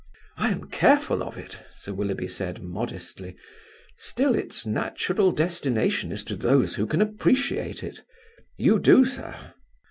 "I am careful of it," Sir Willoughby said, modestly; "still its natural destination is to those who can appreciate it. You do, sir."